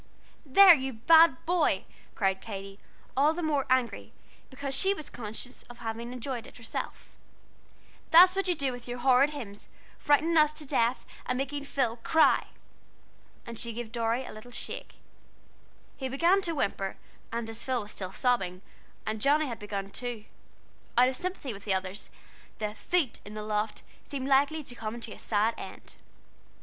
"There, you bad boy!" cried Katy, all the more angry because she was conscious of having enjoyed it herself, "that's what you do with your horrid hymns, frightening us to death and making Phil cry!" And she gave Dorry a little shake. He began to whimper, and as Phil was still sobbing, and Johnnie had begun to sob too, out of sympathy with the others, the Feet in the Loft seemed likely to come to a sad end.